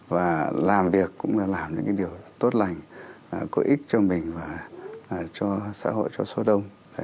và làm việc cũng là làm những điều tốt lành có ích cho mình và cho xã hội cho số đông